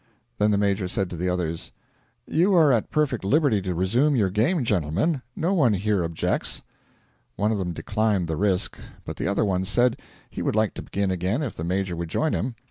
Then the Major said to the others: 'You are at perfect liberty to resume your game, gentlemen; no one here objects.' One of them declined the risk, but the other one said he would like to begin again if the Major would join him.